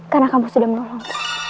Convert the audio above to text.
karena kamu sudah menolong